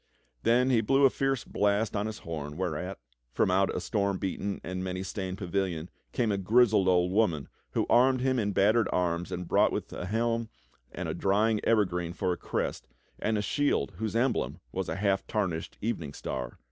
Then he blew a fierce blast on his horn, whereat, from out a storm beaten and many stained pavilion came a grizzled old w^oman who armed him in battered arms and brought him a helm with a drying evergreen for a crest and a shield wdiose emblem was a half tarnished evening star.